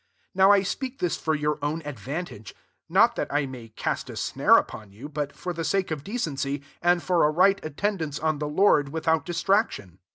35 Now I speak this ibr your own advantage; not that I may cast a snare upon you, but for the sake of decency, and for a right attendance on the Lord without distraction.